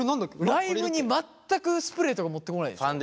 ライブに全くスプレーとか持ってこないでしょ。